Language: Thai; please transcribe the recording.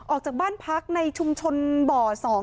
ออกจากบ้านพักในชุมชนบ่อ๒